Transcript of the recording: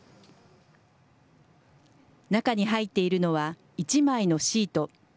中に入っているのは、１枚のシート。